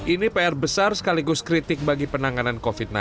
ini pr besar sekaligus kritik bagi penanganan covid sembilan belas